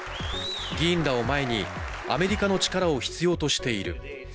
議員らを前にアメリカの力を必要としている。